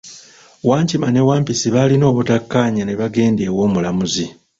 Wankima ne Wampisi baalina obutakaanya ne bagenda ew'omulamuzi.